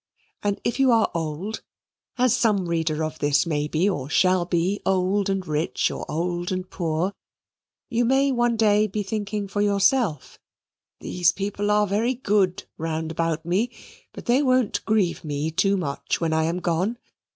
And if you are old, as some reader of this may be or shall be old and rich, or old and poor you may one day be thinking for yourself "These people are very good round about me, but they won't grieve too much when I am gone.